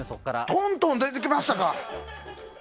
トントン出てきましたか。